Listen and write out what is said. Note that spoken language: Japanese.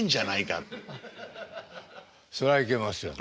それはいけますよね。